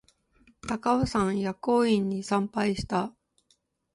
高尾山薬王院に参拝した